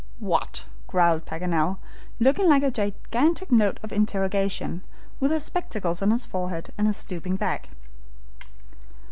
"What?" growled Paganel, looking like a gigantic note of interrogation, with his spectacles on his forehead and his stooping back.